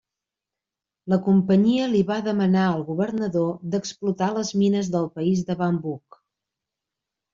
La companyia li va demanar al governador d'explotar les mines del país de Bambouk.